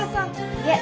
いえ。